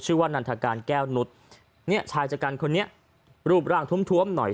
ว่านันทการแก้วนุษย์เนี่ยชายจัดการคนนี้รูปร่างทุ่มท้วมหน่อย